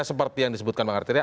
seperti yang disebutkan bang arteria